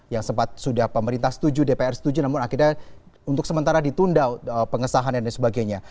yang sempat sudah pemerintah setuju dpr setuju namun akhirnya untuk sementara ditunda pengesahan dan sebagainya